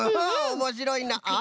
おもしろいな。